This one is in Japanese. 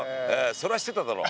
それは知ってただろ。